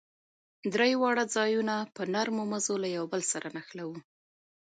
درې واړه ځايونه په نريو مزو له يو بل سره نښلوو.